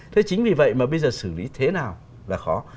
thế chính vì vậy mà bây giờ xử lý thế nào là khó